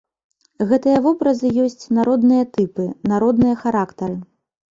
Гэтыя вобразы ёсць народныя тыпы, народныя характары.